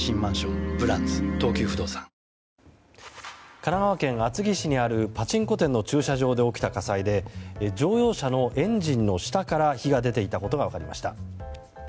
神奈川県厚木市にあるパチンコ店の駐車場で起きた火災で乗用車のエンジンの下から火が出ていたことが分かりました。